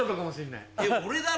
いや俺だろ！